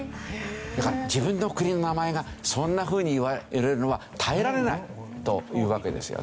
だから自分の国の名前がそんなふうに言われるのは耐えられないというわけですよね。